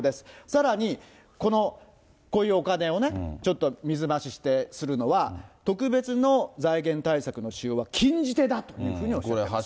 さらにこういうお金をね、ちょっと水増しして、するのは、特別の財源対策の使用は禁じ手だというふうにおっしゃっています。